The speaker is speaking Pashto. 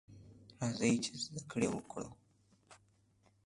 راځئ ! چې زده کړې وکړو.